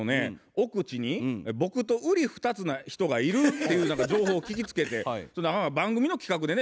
奥地に僕とうり二つな人がいるっていう何か情報を聞きつけてそれで番組の企画でね